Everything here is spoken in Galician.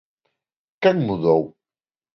¿Quen mudou?